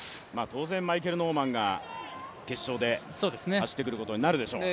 当然マイケル・ノーマン選手が決勝で走ってくることになるでしょう。